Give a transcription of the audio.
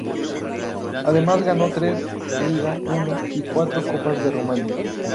Además ganó tres Liga I y cuatro copas de Rumania.